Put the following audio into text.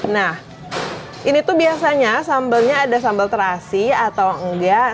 nah ini tuh biasanya sambelnya ada sambal terasi atau enggak